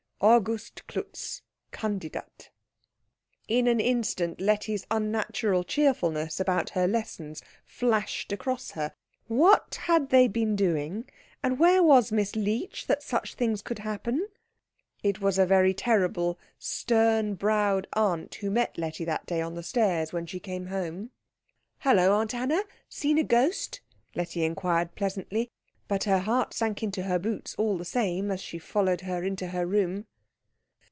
AUGUST KLUTZ, Kandidat. In an instant Letty's unnatural cheerfulness about her lessons flashed across her. What had they been doing, and where was Miss Leech, that such things could happen? It was a very terrible, stern browed aunt who met Letty that day on the stairs when she came home. "Hullo, Aunt Anna, seen a ghost?" Letty inquired pleasantly; but her heart sank into her boots all the same as she followed her into her room.